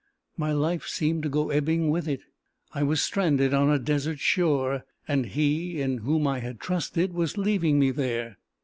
My life seemed to go ebbing with it. I was stranded on a desert shore, and he in whom I had trusted was leaving me there!